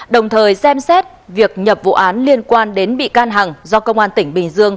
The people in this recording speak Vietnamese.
đồng thời xem xét việc nhập vụ án liên quan đến bị can hằng do công an tỉnh bình dương